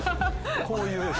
こういう。